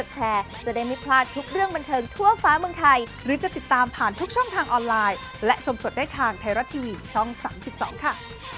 จดแล้วเรียบร้อยนะคะ